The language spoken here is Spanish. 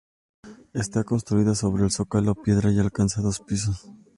Está construida sobre zócalo de piedra y alcanza dos pisos.